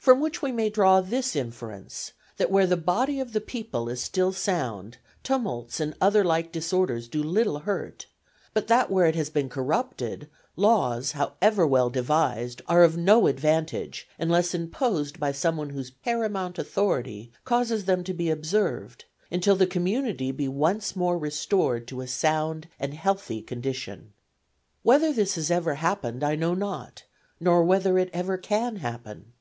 From which we may draw this inference, that where the body of the people is still sound, tumults and other like disorders do little hurt, but that where it has become corrupted, laws, however well devised, are of no advantage, unless imposed by some one whose paramount authority causes them to be observed until the community be once more restored to a sound and healthy condition. Whether this has ever happened I know not, nor whether it ever can happen.